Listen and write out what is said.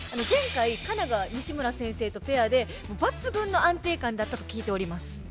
前回佳奈が西村先生とペアで抜群の安定感だったと聞いております。